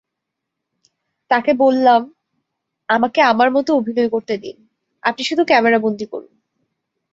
তাঁকে বললাম, আমাকে আমার মতো অভিনয় করতে দিন, আপনি শুধু ক্যামেরাবন্দী করুন।